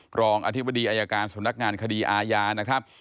รองอธิบดีอายการสำนักงานคดีอาญานะครับ